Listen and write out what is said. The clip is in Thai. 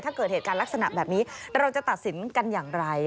ถ้าเกิดเหตุการณ์ลักษณะแบบนี้เราจะตัดสินกันอย่างไร